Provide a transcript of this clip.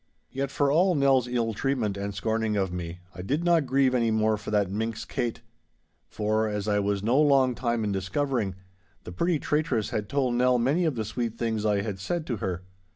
Yet for all Nell's ill treatment and scorning of me, I did not grieve any more for that minx Kate. For, as I was no long time in discovering, the pretty traitress had told Nell many of those sweet things I had said to her.